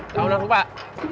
tahun langsung pak